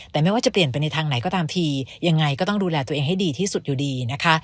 แต่ไม่ว่าจะเปลี่ยนไปในทางไหนก็ตามทียังไงก็ต้องดูแลตัวเองให้ดีที่สุดอยู่ดีนะคะ